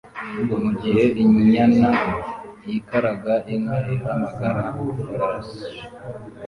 Mugihe inyana yikaraga inka ihamagara ifarashi